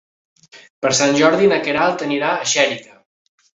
Per Sant Jordi na Queralt anirà a Xèrica.